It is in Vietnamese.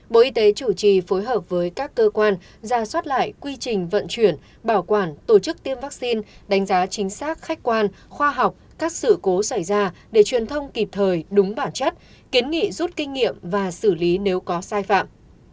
bộ y tế chủ trì phối hợp với các cơ quan ra soát lại quy trình vận chuyển bảo quản tổ chức tiêm vaccine đánh giá chính xác khách quan khoa học các sự cố xảy ra để truyền thông kịp thời đúng bản chất kiến nghị rút kinh nghiệm và xử lý nếu có sai phạm